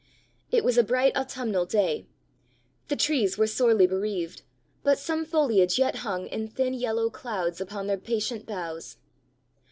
It was a bright autumnal day. The trees were sorely bereaved, but some foliage yet hung in thin yellow clouds upon their patient boughs.